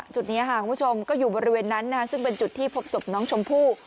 จุดนี้คุณผู้ชมก็อยู่บริเวณนั้นซึ่งเป็นจุดที่พบศพน้องชมพู่